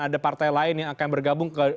ada partai lain yang akan bergabung ke